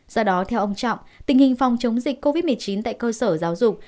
do đó theo ông trọng tình hình phòng chống dịch covid một mươi chín tại cơ sở giáo dục